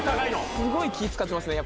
すごい気ぃ使ってますね。